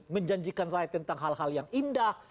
mereka juga menjanjikan saya tentang hal hal yang indah